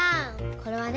これはね